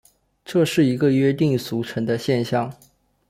这是一个约定俗成的现像。